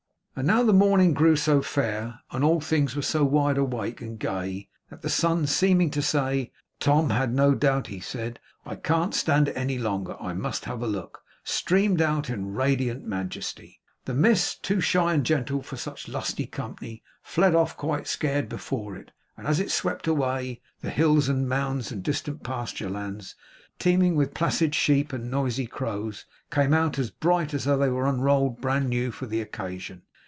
And now the morning grew so fair, and all things were so wide awake and gay, that the sun seeming to say Tom had no doubt he said 'I can't stand it any longer; I must have a look,' streamed out in radiant majesty. The mist, too shy and gentle for such lusty company, fled off, quite scared, before it; and as it swept away, the hills and mounds and distant pasture lands, teeming with placid sheep and noisy crows, came out as bright as though they were unrolled bran new for the occasion.